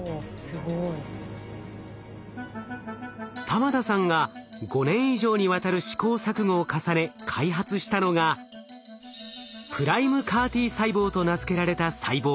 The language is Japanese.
玉田さんが５年以上にわたる試行錯誤を重ね開発したのがＰＲＩＭＥＣＡＲ−Ｔ細胞と名付けられた細胞。